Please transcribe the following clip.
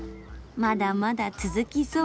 まだまだ続きそう。